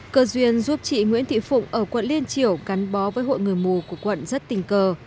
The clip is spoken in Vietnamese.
cơ duyên giúp chị nguyễn thị phụng ở quận liên triểu gắn bó với hội người mù của quận rất tình cờ